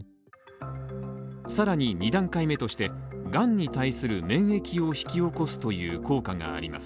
さらに、２段階目として、がんに対する免疫を引き起こすという効果があります。